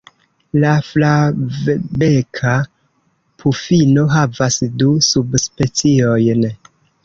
La Flavbeka pufino havas du subspeciojn.